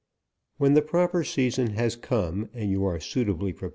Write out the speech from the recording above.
When the prop er season has come, and you are suitably pre E<2 $4 APRIL.